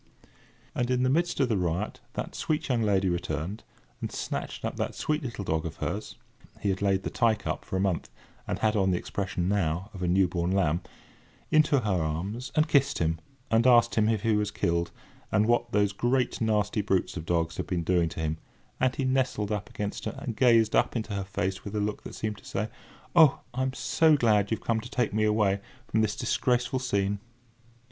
And in the midst of the riot that sweet young lady returned, and snatched up that sweet little dog of hers (he had laid the tyke up for a month, and had on the expression, now, of a new born lamb) into her arms, and kissed him, and asked him if he was killed, and what those great nasty brutes of dogs had been doing to him; and he nestled up against her, and gazed up into her face with a look that seemed to say: "Oh, I'm so glad you've come to take me away from this disgraceful scene!"